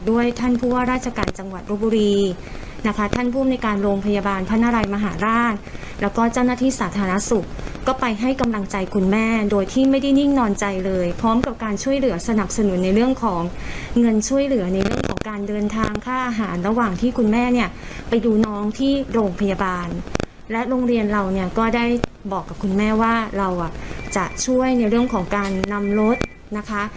ว่าได้บอกกับคุณแม่ว่าเราอะจะช่วยในเรื่องของการนำรถนะคะ